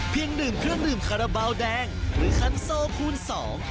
เพียงดื่มเพื่อนดื่มคาราบาวแดงหรือคันโซลคูณสอง